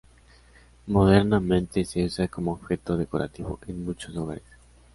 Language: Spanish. Modernamente se usa como objeto decorativo en muchos hogares.